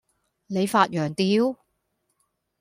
你發羊吊?